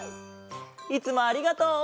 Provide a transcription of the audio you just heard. いつもありがとう。